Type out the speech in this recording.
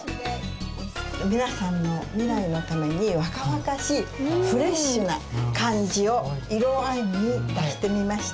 皆さんの未来のために若々しいフレッシュな感じを色合いに出してみました。